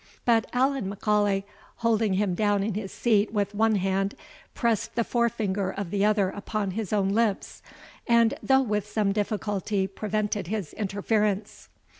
But Allan M'Aulay holding him down in his seat with one hand, pressed the fore finger of the other upon his own lips, and, though with some difficulty, prevented his interference.